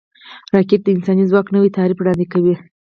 راکټ د انساني ځواک نوی تعریف وړاندې کوي